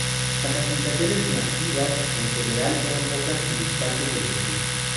Las aplicaciones nativas en general eran pocas y distantes entre sí.